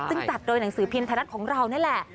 ซึ่งจัดโดยหนังสือพิมพ์ไทยรัฐของเรานี่แหละ